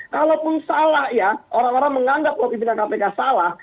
kalaupun salah ya orang orang menganggap bahwa pimpinan kpk salah